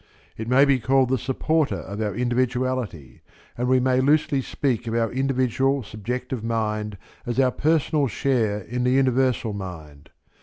It may be called the supporter of our individuality; and we may loosely speak of our individual subjective mind as our personal share in the universal mind.